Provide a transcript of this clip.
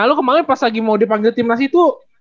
nah lu kemaren pas lagi mau dipanggil tim nasi itu